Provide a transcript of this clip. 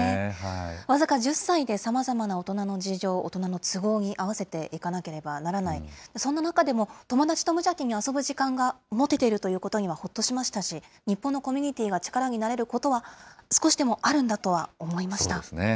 僅か１０歳でさまざまな大人の事情、大人の都合に合わせていかなければならない、そんな中でも、友だちと無邪気に遊ぶ時間が持てているということにはほっとしましたし、日本のコミュニティが力になれることは、少しでもあそうですね。